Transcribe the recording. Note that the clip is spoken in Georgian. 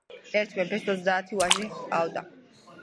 ერთ მეფეს ოცდაათი ვაჟი ჰყავდა.